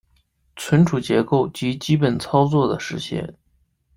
存储结构及基本操作的实现